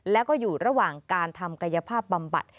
แล้วก็อยู่ระหว่างการทำกายภาพบำบัด